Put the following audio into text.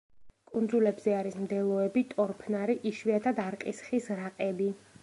კუნძულებზე არის მდელოები, ტორფნარი, იშვიათად არყის ხის რაყები.